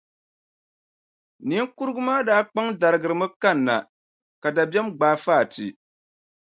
Niŋkurugu maa daa kpaŋ darigirimi kanna, ka dabiɛm gbaai Fati.